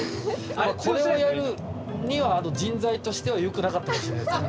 これをやるには人材としてはよくなかったかもしれないですね。